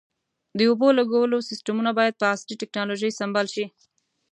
د اوبو لګولو سیستمونه باید په عصري ټکنالوژۍ سنبال شي.